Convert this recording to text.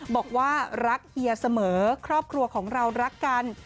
บอกว่ารักเฮียเสมอครอบครัวของเรารักกัน